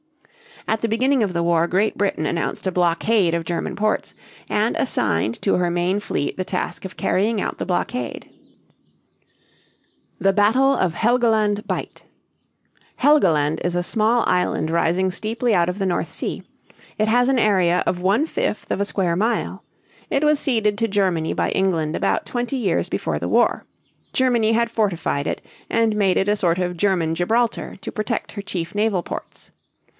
At the beginning of the war Great Britain announced a blockade of German ports and assigned to her main fleet the task of carrying out the blockade. THE BATTLE OF HELGOLAND BIGHT. Hel´goland is a small island rising steeply out of the North Sea; it has an area of one fifth of a square mile. It was ceded to Germany by England about twenty years before the war. Germany had fortified it and made it a sort of German Gibraltar to protect her chief naval ports.